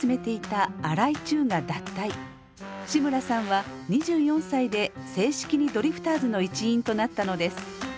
志村さんは２４歳で正式にドリフターズの一員となったのです。